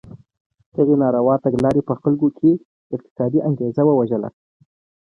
دغې ناروا تګلارې په خلکو کې اقتصادي انګېزه ووژله.